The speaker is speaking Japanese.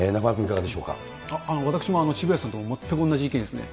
私も渋谷さんと全く同じ意見ですね。